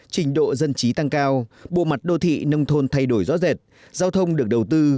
trình độ dân trí tăng cao bộ mặt đô thị nông thôn thay đổi rõ rệt giao thông được đầu tư